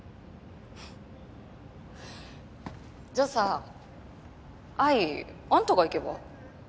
じゃあさアイあんたが行けば？